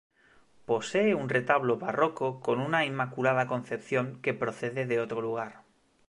Posee un retablo barroco con una Inmaculada Concepción que procede de otro lugar.